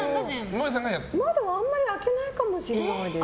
窓はあんまり開けないかもしれないです。